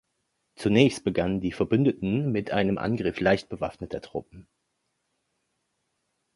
Zunächst begannen die Verbündeten mit einem Angriff leicht bewaffneter Truppen.